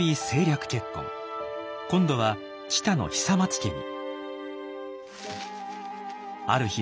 今度は知多の久松家に。